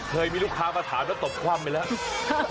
เคยมีลูกค้ามาถามแล้วตบคว่ำไปแล้ว